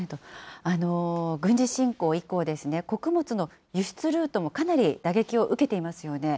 軍事侵攻以降、穀物の輸出ルートもかなり打撃を受けていますよね。